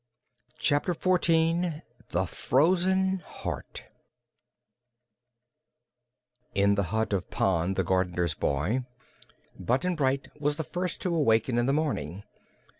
Chapter Fourteen The Frozen Heart In the hut of Pon, the gardener's boy, Button Bright was the first to waken in the morning.